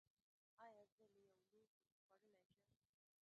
ایا زه له یو لوښي خوړلی شم؟